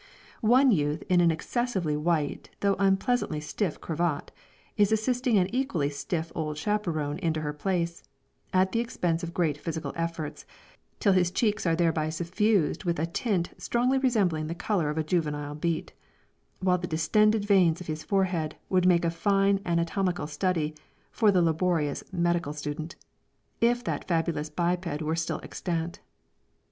One youth in an excessively white, though unpleasantly stiff cravat, is assisting an equally stiff old chaperon into her place, at the expense of great physical efforts, till his cheeks are thereby suffused with a tint strongly resembling the color of a juvenile beet, while the distended veins of his forehead would make a fine anatomical study for the laborious medical student, if that fabulous biped were still extant.